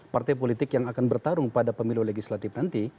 partai politik yang akan bertarung pada pemilu legislatif nanti